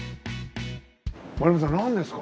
丸山さんなんですか？